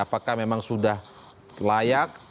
apakah memang sudah layak